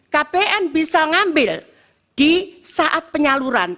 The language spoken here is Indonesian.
kpn bisa ngambil di saat penyaluran